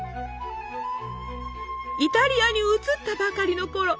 イタリアに移ったばかりのころ